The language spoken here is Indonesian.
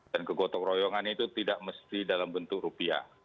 dan kegotong royongan itu tidak mesti dalam bentuk rupiah